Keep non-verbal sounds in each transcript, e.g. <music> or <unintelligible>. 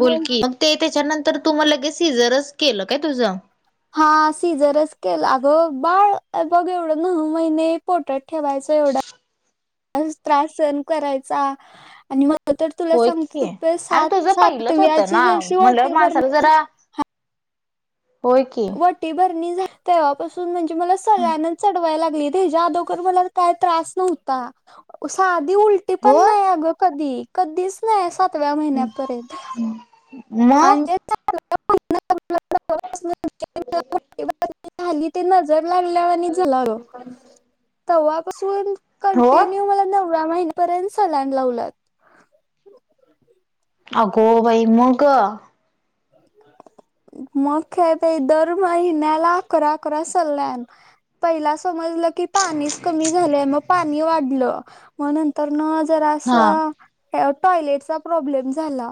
बोल की. मग ते त्याच्यानंतर तु मग लगेच सीझरच केलं काय तुझं? हा, सीझरच केला, अगं बाळ बघ एवढं नऊ महिने पोटात- ठेवायच. एवढा <unintelligible> त्रास सहन करायचा आणि मग- आता तुला होय सांगते, की त्या आणि सात तुझं पहिलंच होतं ना सातव्याची जशी म्हणलं ओटी माणसाला भरली. जरा हा होय की ते बरं नी झाल तेव्हापासून म्हणजे मला सलाईनचं चढवाय लागलीत हेज्या अदोगर मला काय त्रास नव्हता साधी उलटी पण होय नाय अगं कधी कधीच नाय सातव्या महिन्यापर्यंत म <inaudible> हल्ली ते नजर लागल्या वाणीच झालं अगं तवापासून होय कंटिन्यू मला नवव्या महिन्यापर्यंत सलाईन लावल्यात. आगोबाई मग म काय बाई दर महिन्याला अकरा अकरा सलाईन. पहिला समजलं की पाणीच कमी झालंय म पाणी वाढलं म नंतर न जरास हा काय टॉयलेटचा प्रॉब्लेम झाला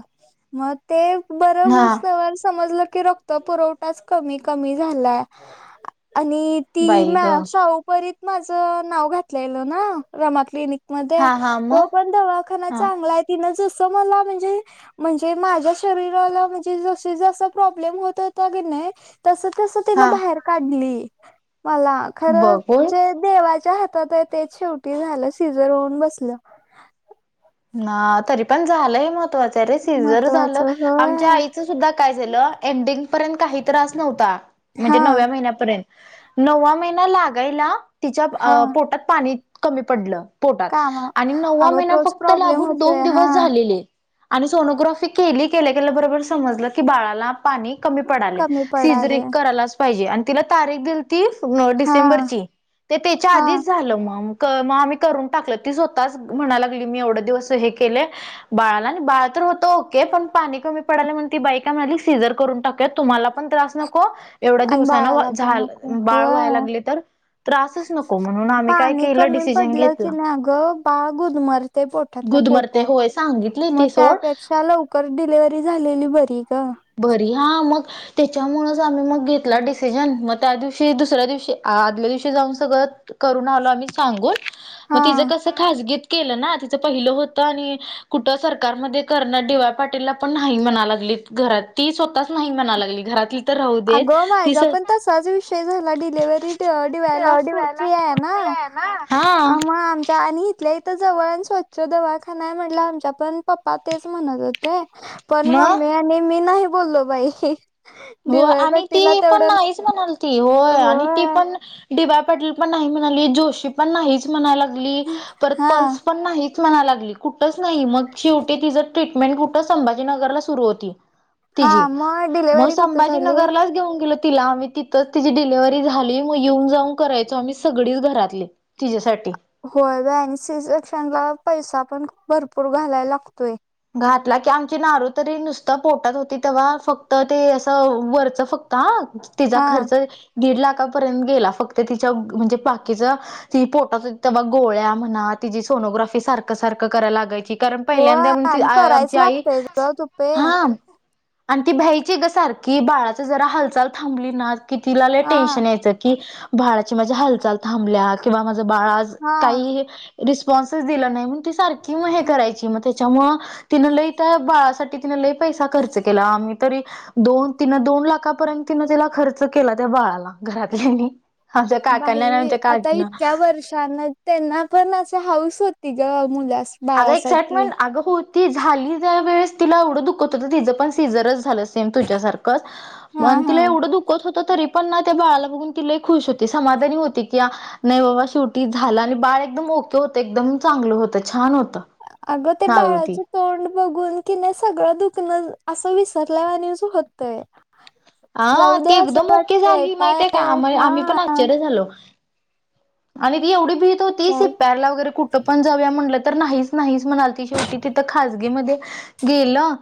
म ते बर हा हुस स्तवर समजल की रक्त पुरवठाच कमी कमी झाला आणि ती बाई म ग शाहूपरीत माझं नाव घातलेलं ना रमा क्लिनिक मध्ये हा हा तो मग पण दवाखाना हा चांगलायेत तिनं जस मला म्हणजे म्हणजे माझ्या शरीराला ती जसं जसं प्रॉब्लेम होतं होता की नाय तसं तसं हा तिनं बाहेर काढली मला खर बघ होय जे देवा च्या हातात हाय तेच शेवटी झालं सीझर होऊन बसलं. ना तरी पण झालंय महत्त्वाचं अरे सिझर झालं महत्वाचं आमच्या होय आई च सुद्धा काय झाल एडिंग पर्यंत काही त्रास नव्हता हा म्हणजे नवव्या महिन्यापर्यंत नववा महिना लागायला तिच्या हा अ पोटात पाणी कमी पडलं. पोटात काम आणि नववा अगं महिना तोच फक्त प्रॉब्लेम लागून होतोय दोन हा दिवस झाले ले आणि सोनोग्राफी केली केल्या केल्या बरोबर समजलं की बाळाला पाणी कमी पडालय कमी पडाले सिझरिक करायलाच पाहिजे आणि तिला तारीख दिल ती हा डिसेंबरची त, तेच्या हा आधीच झालं म त म आम्ही करून टाकलं ती स्वतःच म्हणाय लागली मी एवढे दिवस हे केलय बाळाला आणि बाळा तर होतं ओके पण पाणी कमी पडालय म्हणून ती बाई का म्हणाली सीझर करून टाकू या तुम्हाला पण त्रास नको एवढ्या आणि दिवसान बाळाला पण झा नको बाळ व्हायला होय लागलय तर त्रासच नको म्हणून आम्ही काय पाणी केलं कमी डिसिजन पडलं की घेतलां. ना अगं बाळ गुदमरतय पोटातल्या पोटात होय सांगितली म ती सोड त्यापेक्षा लवकर डिलिव्हरी झालेली बरी ग. बरी हा मग त्याच्यामुळच आम्ही मग घेतला डिसिजन म त्या दिवशी दुसऱ्या दिवशी आदल्या दिवशी जाऊन सगळं करून आलो आम्ही सांगुण म हा तिज कस खाजगीत केल ना पहिलं होत आणि कुट सरकारमध्ये करण डी वाय पाटीलला पण नाही म्हणा लागलीत घरात ती स्वतः अग माझा अगं पण तसाच विषय झाला डिलेव्हरी ते डी वाय ला माझी फ डीवायला फ्री आय ना आहे ना हा अ म आमच्या आणि इथल्या इथं इथं जवळ स्वच्छ दवाखाना हाय म्हटल्यावर आमच्या पण पप्पा तेच म्हणत होते. पण मग मम्मी आणि मी नाही बोललो बाई हो डिवळ आणि पट्टीला ती पण तेवढं नाहीच म्हनलती होय आणि ती पण डी वाय पाटील पण नाही म्हणाली जोशी पण नाहीच म्हणाय लागली. परत हा पल्स पण नाहीच म्हणाय लागली. कुठच नाही, मग शेवटी तिच ट्रीटमेंट कुठ संभाजीनगरला सुरु होती. तिची हा, मग मग डिलिव्हरी कुठे झाली संभाजीनगरलाच घेऊन गेलो, तिला आम्ही तिथंच तिची डिलिव्हरी झाली मग येऊन जाऊन करायचो. आम्ही सगळीच घरातले तिच्यासाठी होय, बाय सी सेक्शनला पैसा पण भरपूर घालायला लागतोय. घातला की, आमची नारू तरी नुसत पोटात होती. तेव्हा फक्त ते अस वरच का तिचा हा खर्च दीड लाखापर्यंत गेला. फक्त तिच्या म्हणजे बाकीचा ती पोटात तेव्हा गोळ्या म्हणा, तिची सोनोग्राफी सारखं सारखं कराय लागायची. होय आणि करायच लागतय ग तुपे <unintelligible> आणि ती भ्यायची ग सारखी बाळाची जरा हालचाल थांबली ना, कि तिला लय हा टेन्शन यायच, की बाळाची माझ्या हालचाल थांबल्या किंवा माझ बाळ आज हा काही रिस्पॉन्सच दिला नाही. ती सारखं हे करायची मग तिच्यामुळे तिनं लई त्या बाळासाठी तिनं लय, पैसा खर्च केला आम्ही तरी दोन, तिनं दोन लाखापर्यत तिनं त्याला खर्च केला. त्या बाळाला घरातल्यानी आमच्या भारी काकांना आणि हे आमच्या आता काकीनं इतक्या वर्षान त्यांना पण अशी हौस होती ग मुलाची. अगं एक्साइटमेंट अगं होती झाली, त्या वेळेस तिला एवढं दुखत होतं. तिचं पण सीझरच झालं. सेम तुझ्यासारख हा पण हा तिला एवढं दुख दुखत होत तरी पण ना त्या बाळाला बघून ती लय खुश होती. समाधानी होती. कि नाही बाबा शेवटी झालं आणि बाळ एकदम ओके होतं. एकदम चांगलं होतं, छान होतं. अगं ते नारळ ती बाळाच तोंड बघून कि नाही सगळं दुखणं असं विसरल्या वाणीच होतय. हा जाऊ ती दया एकदम असं ओके वाटतेय झाली काय. माहितीय का आम्हा आम्ही हा, पण आश्चर्य झालो, आणि ती एवढी भीत होती. सी जाऊ पी आर ला वगैरे कुठं पण जाऊया म्हटलं तर नाहीच. नाहीच म्हणाल ती शेवटी तिथं खाजगी मध्ये गेलं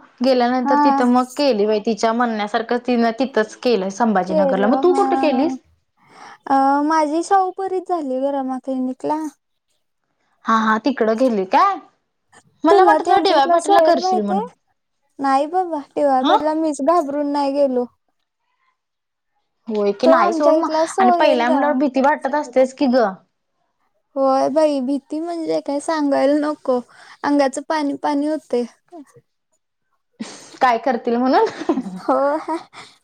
हा गेल्यानंतर तिथं मग केली बाई. तिच्या म्हणण्यासारखं तिनं तिथंच केलंय, संभाजीनगरला मग तू कुठं केली. अ माझी शाहूपुरीत झाली रमा क्लिनिकला. हा हा, तिकडं गेली काय. मला तुला ते वाटलं डी आमच्या वाय इथला, पाटीलला सोहेल करशील माहिते म्हणून आहे. बाबा पिवळा हा पडला मीच. घाबरून नाही गेली. होय की तो नाही. आमच्या सोड मग इथला आणि सोहेल पहिल्या ग मुलावर भीती वाटत असतेच की ग. होय, बाई भीती म्हणजे काय सांगायला नको. अंगाचं पाणी पाणी होतंय. काय करतील म्हणून हो, हा हा,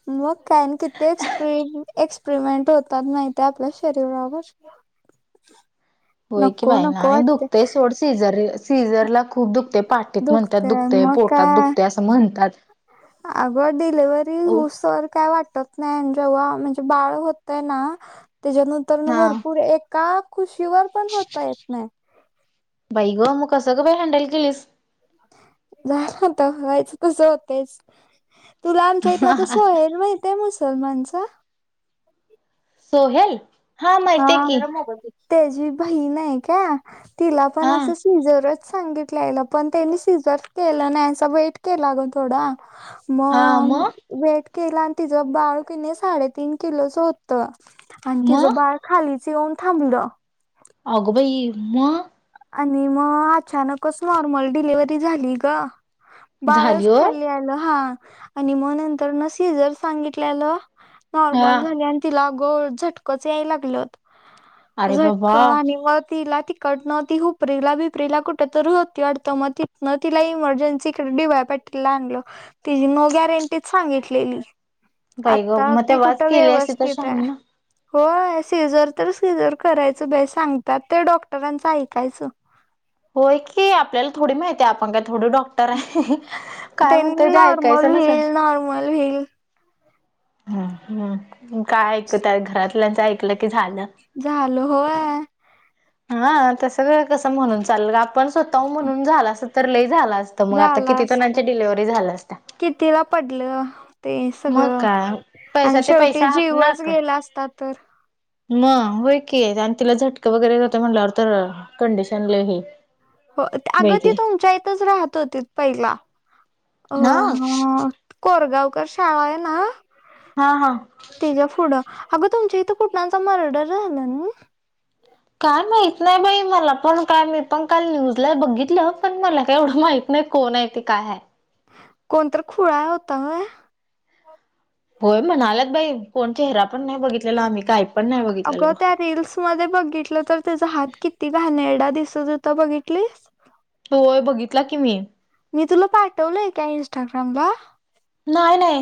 मग काय आणि किती एक्सप एक्सपेरिमेंट होतात. माहिती आपल्या शरीरावर <inaudible> होय की नको बाई नको नाही वाटते दुखतय. सोड सीझर सीझरला खूप दुखतय पाठीत म्हणतात. दुखतय, मग पोटात काय दुखतय असं म्हणतात. अगं डिलिव्हरी होऊस तोवर काय वाटत. नाय. जेव्हा म्हणजे बाळ होतय, ना त्याच्यानंतर हा. भरपूर एक एका खुशीवर पण होता येत नाही. बाई ग मग कस ग बाय हँडल केलीस. <unintelligible> झालं... आता व्हायचं तसं होतंयच तुला आमच्या इथला तो सोहेल माहिती ए मुसलमानचा? सोहेल? हा माहितीय की हा... त्याची बहीण हेए का.. तिला पण हा. असंच सिझरच सांगितलेलं... पण त्यांनी सिझर केलं नाही... असं वेट केला गं थोडा मग हा मग? वेट केला आणि... तिचं बाळ कि नई साडेतीन किलोचं होतं... आणि तिचं मग बाळ खालीच येऊन थांबलं. अगोबाई... मग? आणि मग अचानकच नॉर्मल डिलिव्हरी झाली गं झाली बाळच होय. खाली आलं... हा... आणि मग नंतरनं सीझर सांगितल्यालं नॉर्मल हा. झाली आणि तिला अगं... झटकंच यायला लागलं अरे बाबा झटका आणि मग तिला तिकडनं ती हुपरीला बिपरीला कुठंतरी होती वाटतं... मग तिथनं तिला इमर्जन्सीकडं डी वाय पाटिलला आणलं तिची नो गॅरंटीच सांगितलेली... बाई ग आता मग ती तेव्हाच कुठं केली असती तर व्यवस्थित ए? शहाणी ना. होय... सिजर तर सिजर करायचं.... बाई सांगतात ते डॉक्टरांचं ऐकायचं. होय की... आपल्याला थोडी माहिती ए... आपण काय थोडं डॉक् -टर ए... काय म्हणतंय त्यांनी ते नॉर्मल ऐकायचं ना सां व्हील <unintelligible> हं... हम्म... काय ऐकत्या... घरातल्यांचं ऐकलं की झालं झालं होय हा... तसं गं... कसं म्हणून चालल... आपण स्वतःहून म्हणून झालं असं... तर लई झालं तर मग आता... झालं किती असत जणांच्या डिलिव्हरी झाल्या असत्या. कितीला पडलं? ते मग सगळं... काय पैसा आणि ते शेवटी पैसा जीवच हाकनाक गेला असता तर? मग होय की... आणि तिला झटकं वगैरे येत होते म्हटल्यावर तर कंडिशन लय हे हो... ते... अगं ते तुमच्या इथंच राहत होते पहिला... ना अं कोरगावकर शाळा ए ना? हा हा. तेच्या फुढं... अगं तुमच्या इथं कुठनांचा मर्डर झाला नं? काय माहित नाही बाई मला... पण काय... मी पण काल न्यूजला बघितलं.. पण मला काय एवढं माहित नाई कोण हेती... काय हाय? कोणतरी खुळा होता व्हय होय म्हणाल्यात बाई... कोण चेहरा पण नाही बघितलेला आम्ही काय पण नाही बघितलेलं अगं बघ. त्या रील्स मध्ये बघितलं तर... त्याचा हात किती घाणेरडा दिसत होता.. बघितलीस? होय... बघितला की मी मी तुला पाठवलंय का इन्स्टाग्रामला? नाय नाय...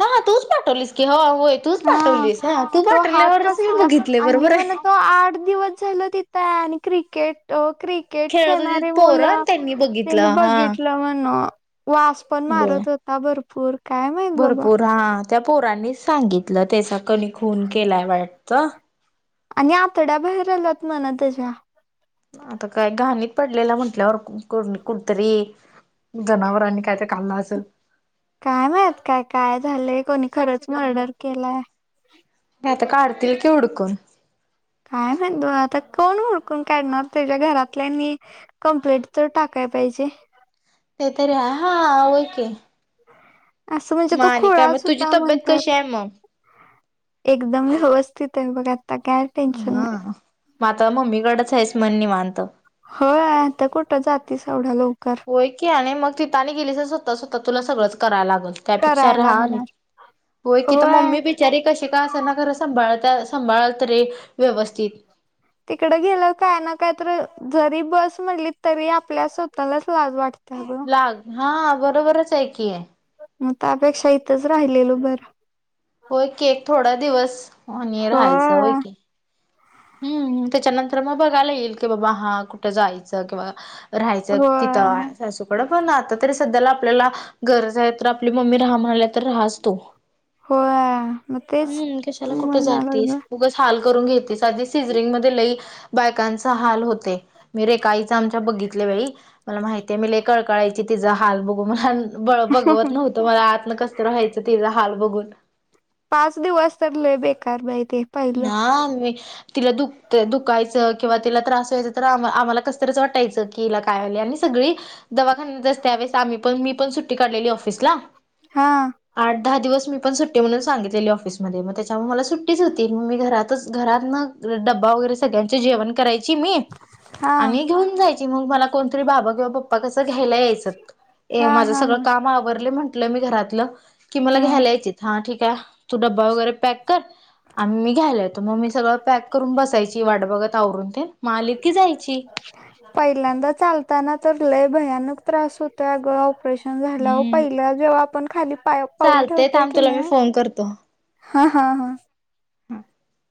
हाहा... तूच पाठवलीस की... हो.. होय तूच. तू पाठवलीस हा... तू तो हात पाठवल्यावरच मी कसला बघितलं... आणि बरोबर ए. म्हण तो आठ <unintelligible> तिथं आणि क्रिकेट... अं... क्रिक क्रिकेट खेळत होती खेळणारी पोरं मुलं... त्यांनी तिनं बघितलं हा बघितलं म्हणं. वास पण बर मारत होता भरपूर. काय माहित बाबा भरपूर हा, त्या पोरांनीच सांगितलं, त्याचा कनी खून केलाय वाटत. आणि आतड्या बाहेर आल्यात म्हण त्याच्या. आता काय घाणीत पडलेला म्हंटल्यावर <unintelligible> कुठतरी- जनावरांनी काय तर खाल्ल असंल. काय माहीत, काय, काय झालय, कोणी खरंच म ऑर्डर केलाय? नाहीतर, आता काढतील की हूडकून. काय म्हणतोय, आता कोण हुडकून काढणार त्याच्या घरातल्यानी- कंप्लेट तर टाकाय पाहिजे. ते तरी आहे हाय, हा होय कि. असं म्हणजे, तो मग खुळाच तुझी होता तब्येत कशी म्हणत्यात. आहे मग एकदम व्यवस्थित आहे बघा, आता काय? टेन्शन हा, नाही म आता मम्मीकडेच आहेच म्हण निवांत? हो, आता कुठं जातीस एवढं लवकर? होय की आणि मग तिथने गेली तर, स्वतःच स्वतः तुला सगळंच करायला लागल. त्यापेक्षा कराय राहा आणि. लागणार होय तिथ मम्मी बी- बिचारी कशी का असं ना, खरं सांभाळत्या, सांभाळल तरी व्यवस्थित. तिकड गेलं काय ना काय तर, जरी बस म्हणली तरी आपल्या स्वतःलाच लाज वाटत्या अग. <unintelligible> हा, बरोबरच आहे की. मग त्यापेक्षा इथंच राहिलेल बरं. होय की, एक थोडा दिवस आणि राहायचा होय की. हम्म, त्याच्यानंतर मग बघायला येईल की, बाबा हा कुठं जायचं किंवा - राहायचं होय. तिथं अस. <unintelligible> पण आता तरी सध्याला आपल्याला गरज आहे तर, आपली मम्मी राहा म्हणाल्या तर राहाच तू. होय मग तेच हम्म, कशाला कुठे म्हणा जातीस, लागलं उगच हाल करून घेतीस. आधीच सिजरिंग मध्ये लई बायकांचा हाल होतय, मी रेखाआईचा आमच्या बघितल्या बाई. मला माहितीये, मी लय कळकळायची तिचा हाल बघून. बळ बघवत नव्हतं, मला आतन कसतर व्हायचं तिच हाल बघून. पाच दिवस तर लय बेकार बाई ते. पहिलं <unintelligible> तिला दुख दुखायचं किंवा तिला त्रास व्हायचं तर आम आम्हाला कसंतर वाटायचं की, तिला काय झाले आणि सगळी- दवाखान्यातच त्यावेळेस आम्ही पण मी पण, सुट्टी काढलेली ऑफिसला. हा आठ, दहा दिवस मी पण सुट्टी म्हणून सांगितलेली ऑफिसमध्ये, मग त्याच्यामुळे मला सुट्टीच हो- ते, मग मी घरातच घरात ना डब्बा वगैरे, सगळ्यांचे जेवण करायचे- ची मी हा आणि घेऊन जायची मग मला कोणतरी बाबा किंवा प- प्पा कस घ्यायला यायचं. ये हा माझं हा सगळं हा काम आवरले म्हंटलं मी घरातलं - कि, मला हा घ्यायला यायचीत. हा ठीक आहे, तू डब्बा वगैरे पॅक कर- आणि मी घ्यायला येतो, मग मी सगळं पॅक करून बसायची, वाट बघत आवरून तेन आलेत की जायची. पहिल्यांदा चालताना तर लय भयानक त्रास होतोय आग. आँपरेशन झाल्यावर हम्म पहिला जेव्हा आपण खाली पाय पाऊल चालतय ठेवतोय थांब की तुला मी नाही- फोन करतो हा, हा, हा. <inaudible>